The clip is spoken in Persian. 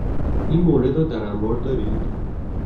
این مورد را در انبار دارید؟